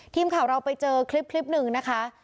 ทีมข่าวเราไปเจอคลิปหนึ่งนะคะ